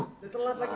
udah telat lagi